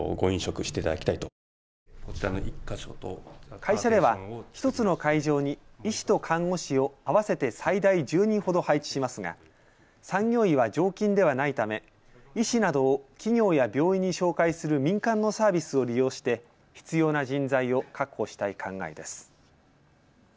会社では１つの会場に医師と看護師を合わせて最大１０人ほど配置しますが産業医は常勤ではないため医師などを企業や病院に紹介する民間のサービスを利用して必要な人材を確保したい考えです。